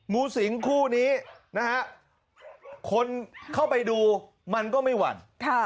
งูสิงคู่นี้นะฮะคนเข้าไปดูมันก็ไม่หวั่น